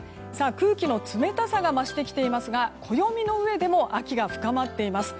空気の冷たさが増していますが暦の上でも秋が深まっています。